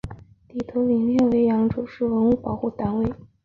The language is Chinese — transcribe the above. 祗陀林列为扬州市文物保护单位。